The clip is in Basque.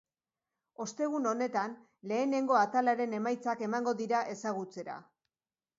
Ostegun honetan, lehenengo atalaren emaitzak emango dira ezagutzera.